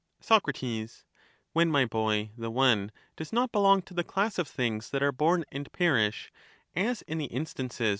Soc, When, my boy, the one does not belong to the class Our of things that are born and perish, as in the instances which troubles